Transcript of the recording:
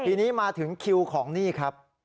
ทีนี้มาถึงคิวของนี่ครับ